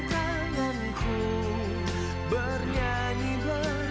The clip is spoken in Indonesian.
kalau envolaringnya coba gila